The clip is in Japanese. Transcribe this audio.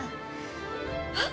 あっ。